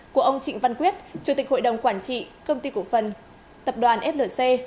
của ông trịnh văn quyết chủ tịch hội đồng quản trị công ty cổ phần tập đoàn flc